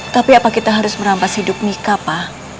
tapi apa kita harus merampas hidup mika pa